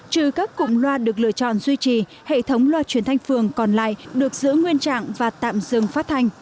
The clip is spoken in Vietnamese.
trừ các cụm loa được lựa chọn duy trì hệ thống loa truyền thanh phường còn lại được giữ nguyên trạng và tạm dừng phát thanh